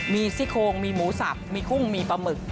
มีซี่โคงมีหมูสับมีกุ้งมีปลาหมึก